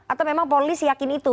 atau memang polri yakin itu